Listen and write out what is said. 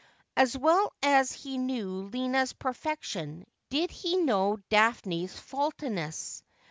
As well as he knew Lina's perfection did he know Daphne's faultiness.